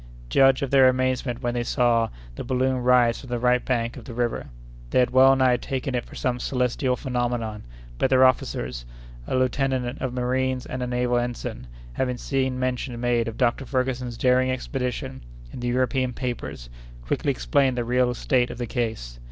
Judge of their amazement when they saw the balloon rise from the right bank of the river. They had well nigh taken it for some celestial phenomenon, but their officers, a lieutenant of marines and a naval ensign, having seen mention made of Dr. Ferguson's daring expedition, in the European papers, quickly explained the real state of the case.